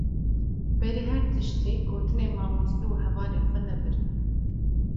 Berî her tiştî, gotinên mamoste û hevalên xwe nebirin.